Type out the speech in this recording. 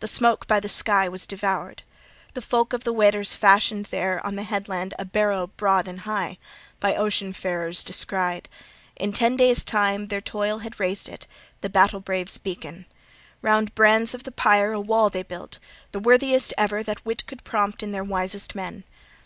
The smoke by the sky was devoured. The folk of the Weders fashioned there on the headland a barrow broad and high, by ocean farers far descried: in ten days' time their toil had raised it, the battle brave's beacon. Round brands of the pyre a wall they built, the worthiest ever that wit could prompt in their wisest men.